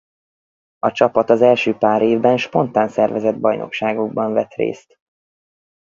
A csapat az első pár évben spontán szervezett bajnokságokban vett részt.